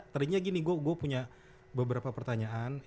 tadinya gini gue punya beberapa pertanyaan